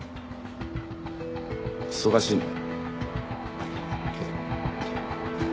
忙しいんだ。